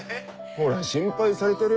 ほら心配されてる。